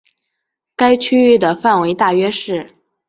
该区域的范围大约是。